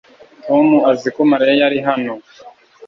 Tom azi ko Mariya yari hano